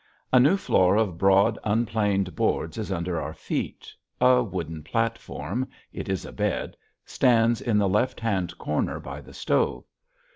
A new floor of broad unplaned boards is under our feet, a wooden platform it is a bed stands in the left hand corner by the stove.